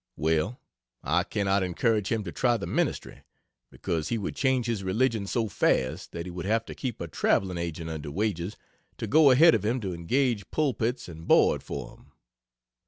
Well, I cannot encourage him to try the ministry, because he would change his religion so fast that he would have to keep a traveling agent under wages to go ahead of him to engage pulpits and board for him.